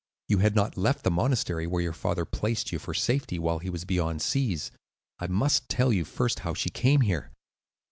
You had not left the monastery where your father placed you for safety while he was beyond seas. I must tell you first how she came here.